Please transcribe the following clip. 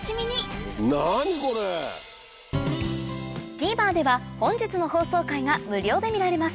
ＴＶｅｒでは本日の放送回が無料で見られます